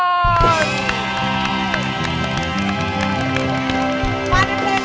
มาในเพลงอะไรคะ